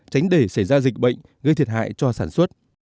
tránh để xảy ra dịch bệnh gây thiệt hại cho sản xuất